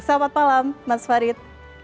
selamat malam mas farid